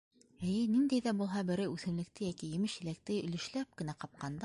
Эйе, ниндәй ҙә булһа берәй үҫемлекте йәки емеш-еләкте өлөшләп кенә ҡапҡанда...